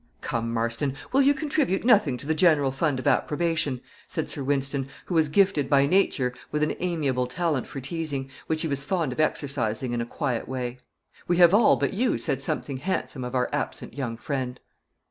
"Come, Marston, will you contribute nothing to the general fund of approbation?" said Sir Wynston, who was gifted by nature with an amiable talent for teasing, which he was fond of exercising in a quiet way. "We have all, but you, said something handsome of our absent young friend."